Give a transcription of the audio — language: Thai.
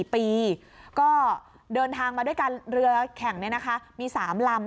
๔ปีก็เดินทางมาด้วยกันเรือแข่งมี๓ลำ